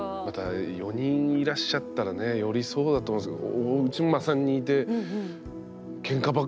また４人いらっしゃったらねよりそうだと思うんですけど。